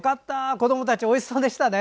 子どもたち、おいしそうでしたね。